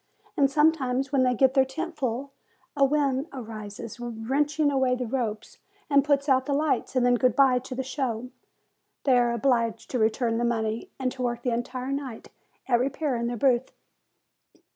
And sometimes, when they get their tent full, a wind arises, wrenches away the ropes and puts out the 146 FEBRUARY lights, and then good bye to the show! They are obliged to return the money, and to work the entire night at repairing their booth.